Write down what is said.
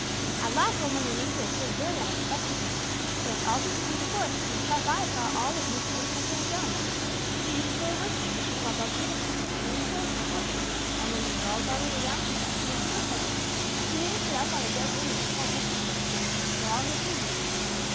"At last Old Mother Nature appeared very unexpectedly. She went all through the Green Forest, and her sharp eyes saw all that Mr. Woodpecker had done. She didn't say a word to him, but she called all the little people of the Green Forest before her, and when they were all gathered around, she sent for Mr. Woodpecker. She made him sit up on a dead limb of a tall chestnut tree where all could see him.